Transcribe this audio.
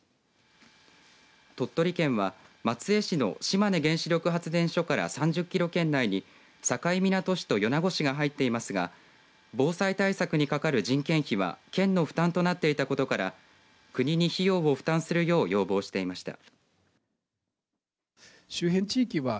鳥取県は松江市の島根原子力発電所から３０キロ圏内に境港市と米子市が入っていますが防災対策にかかる人件費は県の負担となっていたことから国に費用を負担するよう要望していました。